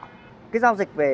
cái giao dịch về